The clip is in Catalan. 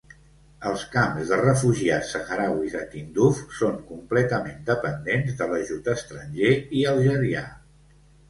Els camps de refugiats sahrauís a Tindouf són completament dependents de l'ajut estranger i algerià.